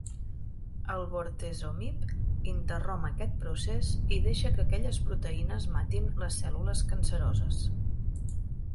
El bortezomib interromp aquest procés i deixa que aquelles proteïnes matin les cèl·lules canceroses.